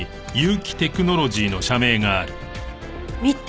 見て。